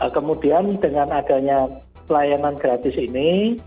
kemudian dengan adanya pelayanan gratis ini